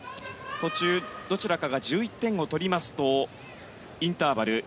途中、どちらかが１１点を取りますとインターバル